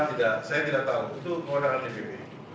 tidak saya tidak tahu itu kewenangan dpp